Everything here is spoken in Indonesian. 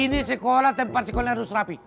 ini sekolah tempat sekolah harus rapi